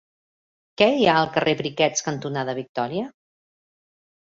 Què hi ha al carrer Briquets cantonada Victòria?